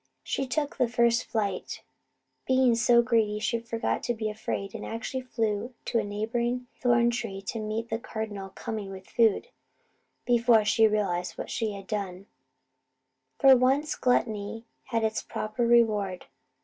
She took the first flight, being so greedy she forgot to be afraid, and actually flew to a neighbouring thorn tree to meet the Cardinal, coming with food, before she realized what she had done. For once gluttony had its proper reward.